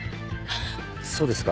そうですか。